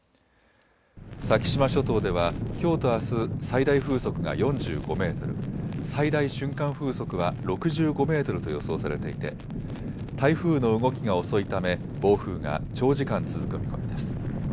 先島諸島ではきょうとあす最大風速が４５メートル、最大瞬間風速は６５メートルと予想されていて台風の動きが遅いため暴風が長時間続く見込みです。